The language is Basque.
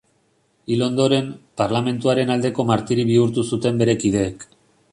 Hil ondoren, Parlamentuaren aldeko martiri bihurtu zuten bere kideek.